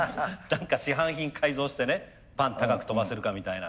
何か市販品改造してねパン高く跳ばせるかみたいな。